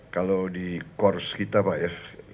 kalau di kors kita pak ya